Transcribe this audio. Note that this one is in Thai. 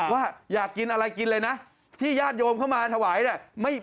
ว่าอยากกินอะไรกินเลยนะที่ญาติโยมเข้ามาถวายเนี่ย